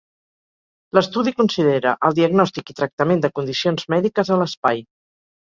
L'estudi considera el diagnòstic i tractament de condicions mèdiques a l'espai.